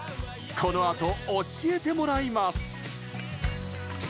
このあと、教えてもらいます。